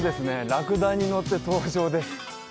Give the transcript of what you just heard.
ラクダに乗って登場です